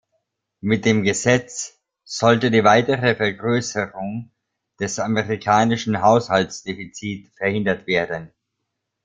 Mit dem Gesetz sollte die weitere Vergrößerung des amerikanischen Haushaltsdefizit verhindert werden.